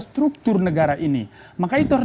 struktur negara ini maka itu harus